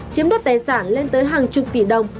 chiếm đoạt tài sản lên tới hàng chục tỷ đồng